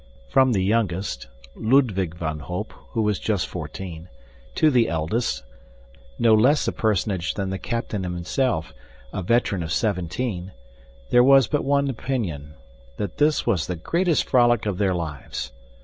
From the youngest (Ludwig van Holp, who was just fourteen) to the eldest, no less a personage than the captain himself, a veteran of seventeen, there was but one opinion that this was the greatest frolic of their lives.